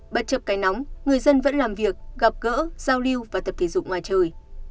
bất chấp cái nóng người dân vẫn làm việc gặp gỡ giao lưu và tập thể dục ngoài trời